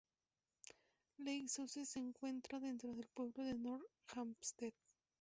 Lake Success se encuentra dentro del pueblo de North Hempstead.